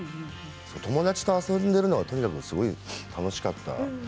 友達と遊んでるのはとにかく楽しかった。